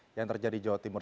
yang terjadi di jawa timur